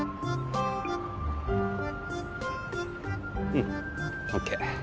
うんＯＫ